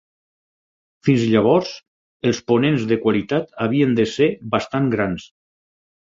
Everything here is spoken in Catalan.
Fins llavors, els ponents de qualitat havien de ser bastant grans.